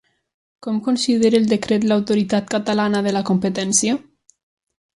Com considera el decret l'Autoritat Catalana de la Competència?